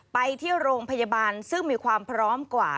ไปที่โรงพยาบาลซึ่งมีความพร้อมกว่า